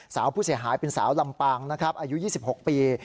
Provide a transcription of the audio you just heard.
สาวผู้เสียหายเป็นสาวลำปางนะครับอายุ๒๖ปี